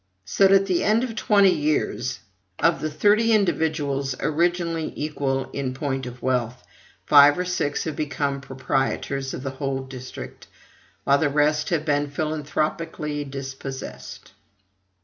So that at the end of twenty years, of thirty individuals originally equal in point of wealth, five or six have become proprietors of the whole district, while the rest have been philanthropically dispossessed!